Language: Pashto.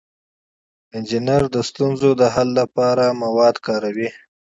انجینر د ستونزو د حل لپاره مواد کاروي.